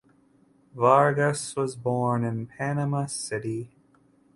Vargas was born in Panama City.